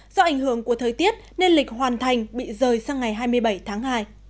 do ảnh hưởng của thời tiết nên lịch hoàn thành bị rời sang ngày hai mươi bảy tháng hai